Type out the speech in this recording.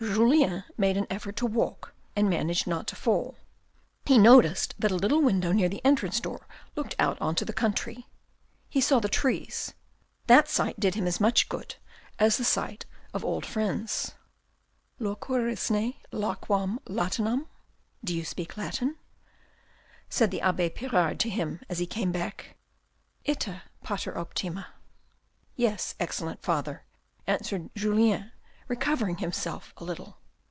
Julian made an effort to walk, and managed not to fall. He noticed that a little window near the entrance door looked out on to the country. He saw the trees ; that sight did him as much good as the sight of old friends. "' Loquerisne linquam latinam ?'" (Do you speak Latin?) said the abbe Pirard to him as he came back. "■ Ita, pater optime,' " (Yes, excellent Father) answered Julien, recovering himself a little.